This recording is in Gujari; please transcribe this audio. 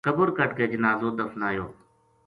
قبر کَڈ ھ کے جنازو دفنایو